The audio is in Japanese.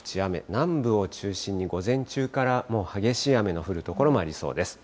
南部を中心に、午前中からもう激しい雨の降る所もありそうです。